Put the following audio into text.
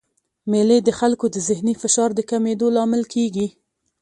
مېلې د خلکو د ذهني فشار د کمېدو لامل کېږي.